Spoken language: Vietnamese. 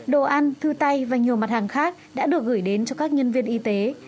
đồ ăn thư tay và nhiều mặt hàng khác đã được gửi đến cho các nhân viên y tế